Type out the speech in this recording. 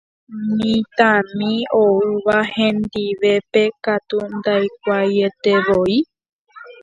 Mitãmi oúva hendivépe katu ndaikuaaietevoi.